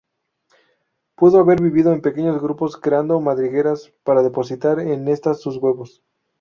Pudo haber vivido en pequeños grupos, creando madrigueras para depositar en estas sus huevos.